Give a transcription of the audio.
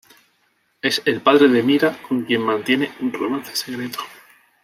Es el padre de Mira, con quien mantiene un romance secreto.